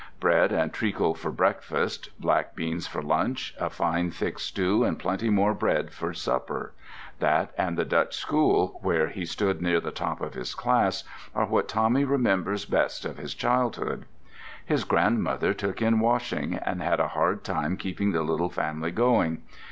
Bread and treacle for breakfast, black beans for lunch, a fine thick stew and plenty more bread for supper—that and the Dutch school where he stood near the top of his class are what Tommy remembers best of his boyhood. His grandmother took in washing, and had a hard time keeping the little family going.